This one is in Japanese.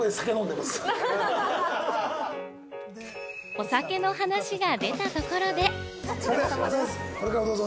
お酒の話が出たところで。